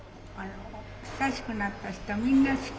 親しくなった人みんな好き。